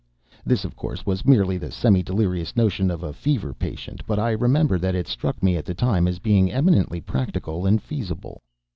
This, of course, was merely the semi delirious notion of a fever patient; but I remember that it struck me at the time as being eminently practical and feasible.